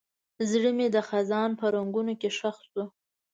زړه مې د خزان په رنګونو کې ښخ شو.